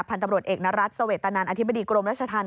พันธมเอกนรัฐสวัตรนท์อธิบดิกรมรัชฐาน